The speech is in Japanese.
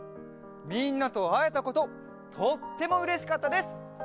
みんなとあえたこととってもうれしかったです。